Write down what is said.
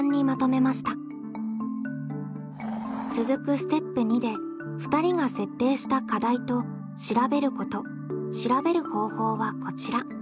続くステップ２で２人が設定した課題と「調べること」「調べる方法」はこちら。